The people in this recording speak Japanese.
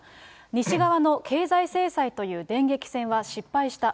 西側の経済制裁という電撃戦は失敗した。